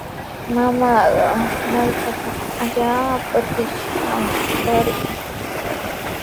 Mamaaqa markantraw allaapa trikishqami karqan.